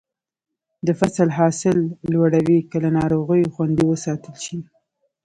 د فصل حاصل لوړوي که له ناروغیو خوندي وساتل شي.